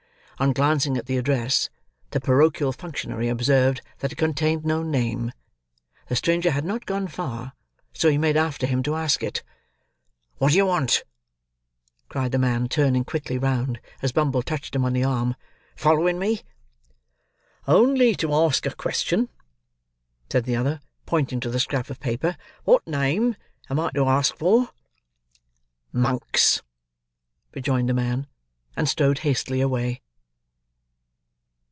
On glancing at the address, the parochial functionary observed that it contained no name. The stranger had not gone far, so he made after him to ask it. "What do you want?" cried the man, turning quickly round, as Bumble touched him on the arm. "Following me?" "Only to ask a question," said the other, pointing to the scrap of paper. "What name am I to ask for?" "Monks!" rejoined the man; and strode hastily away.